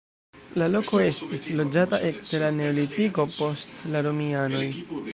La loko estis loĝata ekde la neolitiko post la romianoj.